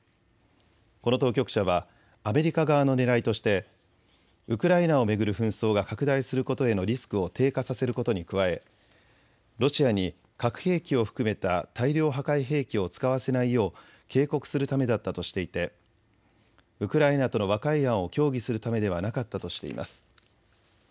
この当局者はアメリカ側のねらいとして、ウクライナを巡る紛争が拡大することへのリスクを低下させることに加え、ロシアに核兵器を含めた大量破壊兵器を使わせないよう警告するためだったとしていてウクライナとの和解案を協議するためではなかったとしています。